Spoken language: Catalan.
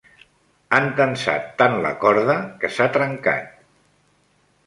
Han tensat tant la corda que s'ha trencat.